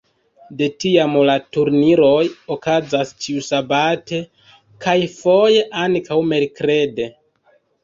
De tiam la turniroj okazas ĉiusabate, kaj foje ankaŭ merkrede.